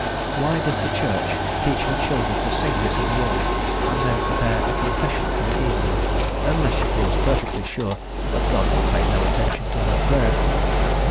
Why does the Church teach her children to sing this in the morning, and then prepare a "confession" for the evening, unless she feels perfectly sure that God will pay no attention to her prayer?